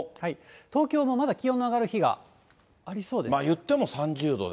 東京もまだ気温の上がる日がありそうです。